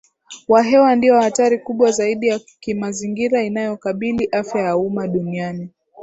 wa hewa ndio hatari kubwa zaidi ya kimazingira inayokabili afya ya umma duniani